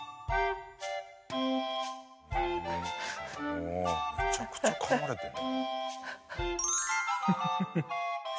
おおめちゃくちゃかまれてる。